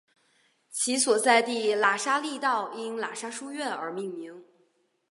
其所在地喇沙利道因喇沙书院而命名。